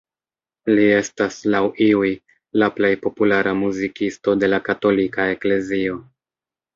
Li estas, laŭ iuj, la plej populara muzikisto de la katolika eklezio.